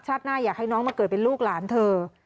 หน้าอยากให้น้องมาเกิดเป็นลูกหลานเธอ